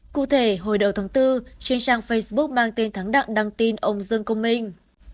cụ thể hồi đầu tháng bốn trên trang facebook mang tên thắng đặng đăng tin ông dương công minh